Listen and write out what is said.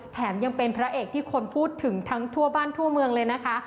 แถมยังเป็นพระเอกที่คนพูดถึงทั้งทั่วบ้านทั่วเมืองเลยนะคะ